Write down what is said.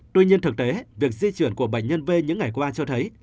tuy nhiên thực tế việc di chuyển của bệnh nhân v những ngày qua cho thấy